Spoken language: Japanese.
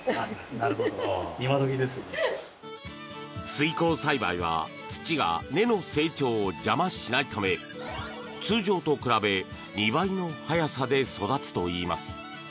水耕栽培は土が根の成長を邪魔しないため通常と比べ２倍の早さで育つといいます。